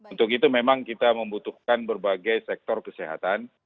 untuk itu memang kita membutuhkan berbagai sektor kesehatan